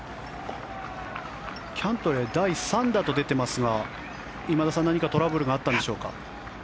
キャントレー第３打と出てますが今田さん、何かトラブルがあったんでしょうか？